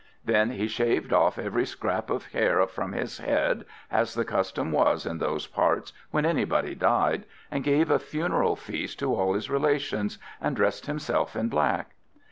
Then he shaved off every scrap of hair from his head, as the custom was in those parts when anybody died, and gave a funeral feast to all his relations, and dressed himself in black.